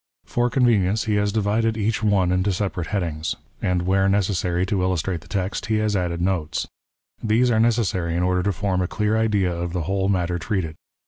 For convenience he X PREFACE. has divided each one into separate headings ; and wliere necessary to illustrate the text, he has added notes. These are necessary in order to form a clear idea of the whole matter treated.